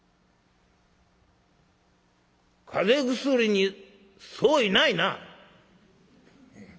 「風邪薬に相違ないな」。